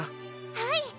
はい！